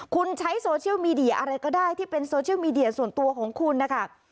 คุณใช้โซเชียลมีเดียอะไรก็ได้ที่เป็นโซเชียลมีเดียส่วนตัวของคุณนะคะ